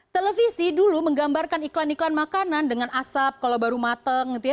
televisi dulu menggambarkan iklan iklan makanan dengan asap kalau baru mateng gitu ya